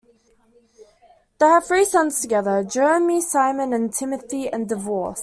They had three sons together - Jeremy, Simon and Timothy - and divorced.